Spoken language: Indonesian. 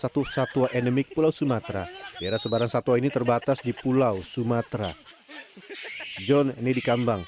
satu satwa endemik pulau sumatera biara sebaran satwa ini terbatas di pulau sumatera john nedi kambang